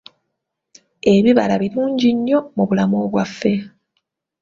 Ebibala birungi nnyo mu bulamu bwaffe.